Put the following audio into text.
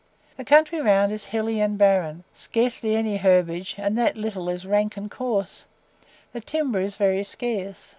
The country round is hilly and barren scarcely any herbage and that little is rank and coarse; the timber is very scarce.